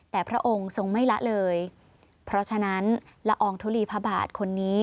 แต่พระองค์ทรงไม่ละเลยเพราะฉะนั้นละอองทุลีพระบาทคนนี้